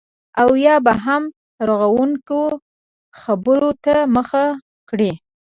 او یا به هم رغونکو خبرو ته مخه کړي